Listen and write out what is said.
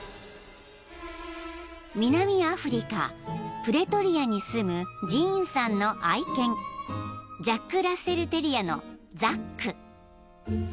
［南アフリカプレトリアに住むジーンさんの愛犬ジャック・ラッセル・テリアのザック］